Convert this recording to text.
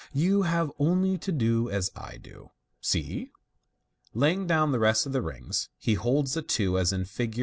You have only to do as I do. See !" Laying down the rest of the rings, he holds the two as in Fig.